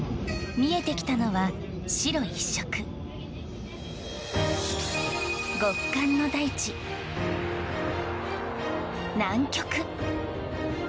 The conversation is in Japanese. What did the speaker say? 見えてきたのは、白一色極寒の大地、南極。